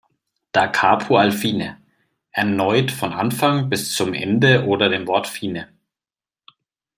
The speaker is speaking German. Da Capo al fine: Erneut von Anfang bis zum Ende oder dem Wort "fine".